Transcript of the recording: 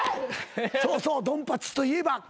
そうそうドンパッチといえばここの。